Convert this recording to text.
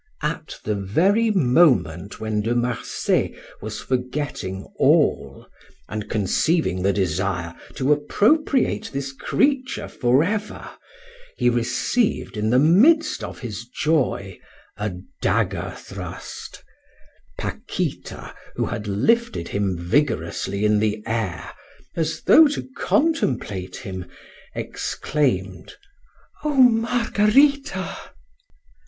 At the very moment when De Marsay was forgetting all, and conceiving the desire to appropriate this creature forever, he received in the midst of his joy a dagger thrust, which Paquita, who had lifted him vigorously in the air, as though to contemplate him, exclaimed: "Oh, Margarita!"